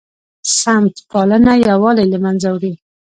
سمت پالنه یووالی له منځه وړي